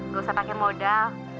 gak usah pakai modal